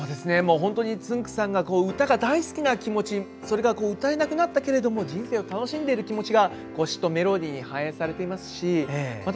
本当につんく♂さんが歌が大好きな気持ちそれが歌えなくなったけれども人生を楽しんでいる気持ちが詞とメロディーに反映されていますしまた